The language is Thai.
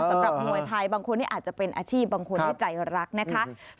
สำหรับมวยไทยบางคนนี้อาจจะเป็นอาชีพบางคนที่ใจรักนะคะ